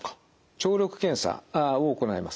聴力検査を行います。